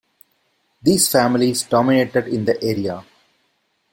These families dominated in the area.